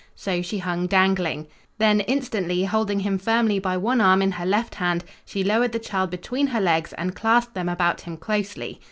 So she hung dangling. Then, instantly, holding him firmly by one arm in her left hand, she lowered the child between her legs and clasped them about him closely.